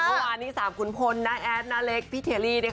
เมื่อวานนี้๓ขุนพลน้าแอดน้าเล็กพี่เทรี่